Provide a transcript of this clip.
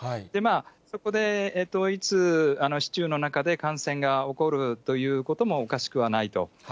そこでいつ、市中の中で感染が起こるということもおかしくはないと。